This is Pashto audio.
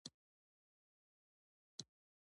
هغوی د تاوده څپو لاندې د مینې ژورې خبرې وکړې.